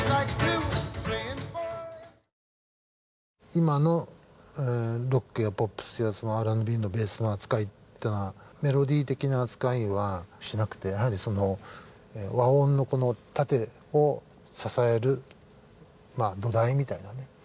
今のロックやポップスやＲ＆Ｂのベースの扱いっていうのはメロディー的な扱いはしなくてやはりその和音のこの縦を支えるまあ土台みたいなね扱いですよね。